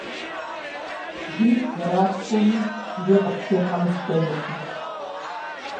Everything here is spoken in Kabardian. Дищӏ зэрапхъуэуи, лей къыттехьэуи ддэнукъым!